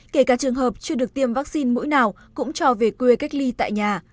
kể cả trường hợp chưa được tiêm vaccine mũi nào cũng cho về quê cách ly tại nhà